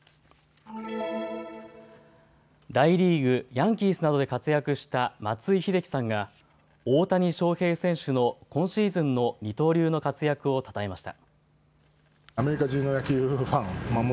大リーグ、ヤンキースなどで活躍した松井秀喜さんが大谷翔平選手の今シーズンの二刀流の活躍をたたえました。